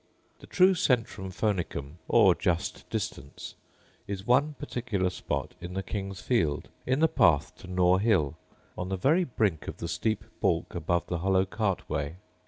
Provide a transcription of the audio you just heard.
The true centrum phonicum, or just distance, is one particular spot in the King's field, in the path to Nore hill, on the very brink of the steep balk above the hollow cart way.